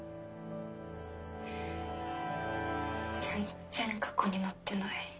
全然過去になってない。